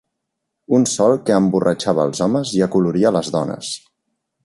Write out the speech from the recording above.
Un sol que emborratxava els homes i acoloria les dones